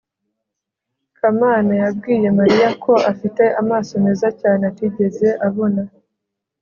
kamana yabwiye mariya ko afite amaso meza cyane atigeze abona